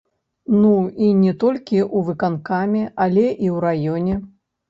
Ну, і не толькі ў выканкаме, але і ў раёне.